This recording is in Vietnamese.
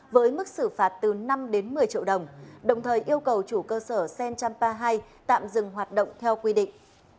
với mức xử phạt từ năm đến một mươi triệu đồng đồng thời yêu cầu chủ cơ sở sen một trăm ba mươi hai tạm dừng hoạt động theo quy định